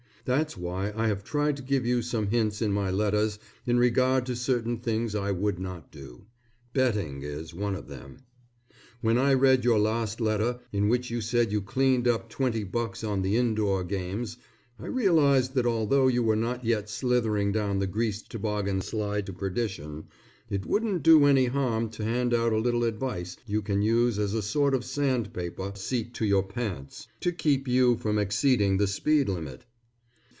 That's why I have tried to give you some hints in my letters in regard to certain things I would not do. Betting is one of them. When I read your last letter in which you said you cleaned up twenty bucks on the Indoor Games, I realized that although you were not yet slithering down the greased toboggan slide to perdition, it wouldn't do any harm to hand out a little advice you can use as a sort of sand paper seat to your pants, to keep you from exceeding the speed limit.